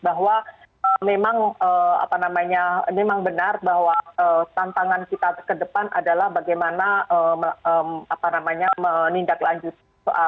bahwa memang benar bahwa tantangan kita ke depan adalah bagaimana menindaklanjuti